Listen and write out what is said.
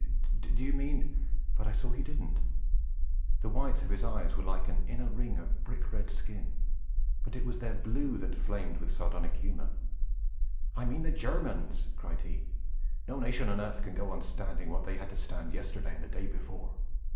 'Do you mean ?' But I saw he didn't! The whites of his eyes were like an inner ring of brick red skin, but it was their blue that flamed with sardonic humour. 'I mean the Germans!' cried he. 'No nation on earth can go on standing what they had to stand yesterday and the day before.